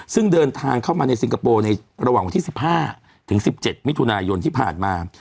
ซึ่งเดินทางเข้ามาในสิงคโปร์ในระหว่างวันที่๑๕ถึง๑๗มิถุนายนที่ผ่านมา